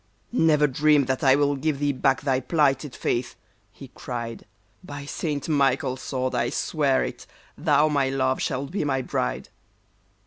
'' Never dream that I will give thee back thy plighted faith, he cried, " By St. Michael's sword I swear it, thou, my love, shalt be my bride